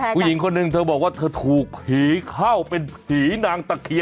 เรื่องนี้ก็น่าถูกใจไม่แพ้แต่มีสงสัย